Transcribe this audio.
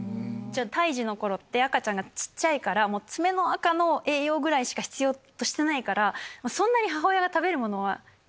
胎児の頃って赤ちゃんが小っちゃいから爪のあかの栄養ぐらいしか必要としてないからそんなに。